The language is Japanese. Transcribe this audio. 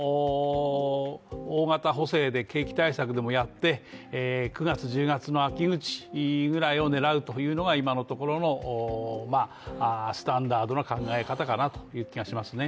大型補正で景気対策でもやって９月、１０月の秋口ぐらいを狙うというのが今のところのスタンダードな考え方かなという感じがしますね。